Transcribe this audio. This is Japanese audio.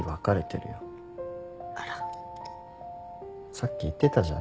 さっき言ってたじゃん